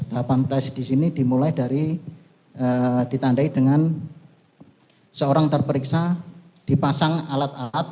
tahapan tes di sini dimulai dari ditandai dengan seorang terperiksa dipasang alat alat